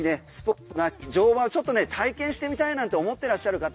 体験してみたいなって思ってらっしゃる方